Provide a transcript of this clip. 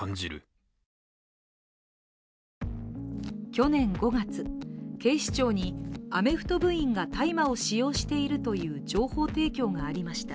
去年５月、警視庁にアメフト部員が大麻を使用しているという情報提供がありました。